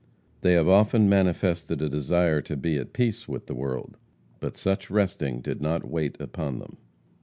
They have often manifested a desire to be at peace with the world. But such resting did not wait upon them.